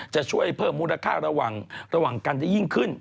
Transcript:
จะช่วยเพิ่มมูลค่าระหว่างกันได้ยิ่งขึ้น